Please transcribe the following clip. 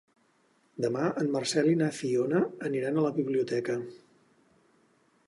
Demà en Marcel i na Fiona aniran a la biblioteca.